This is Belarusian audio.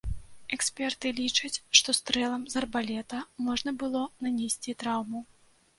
Эксперты лічаць, што стрэлам з арбалета можна было нанесці траўму.